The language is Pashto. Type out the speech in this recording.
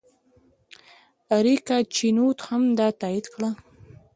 اریکا چینوت هم دا تایید کړه.